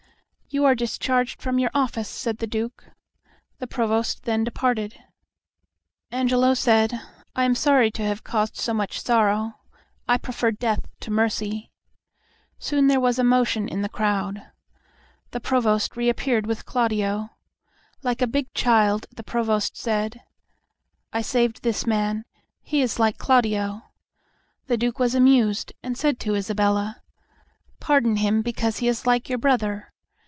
"You are discharged from your office," said the Duke. The Provost then departed. Angelo said, "I am sorry to have caused such sorrow. I prefer death to mercy." Soon there was a motion in the crowd. The Provost re appeared with Claudio. Like a big child the Provost said, "I saved this man; he is like Claudio." The Duke was amused, and said to Isabella, "I pardon him because he is like your brother.